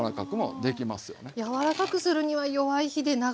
柔らかくするには弱い火で長く。